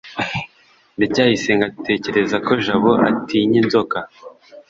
ndacyayisenga atekereza ko jabo atinya inzoka